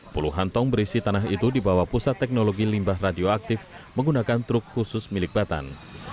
puluhan tong berisi tanah itu dibawa pusat teknologi limbah radioaktif menggunakan truk khusus milik batan